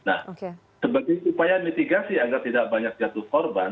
nah sebagai upaya mitigasi agar tidak banyak jatuh korban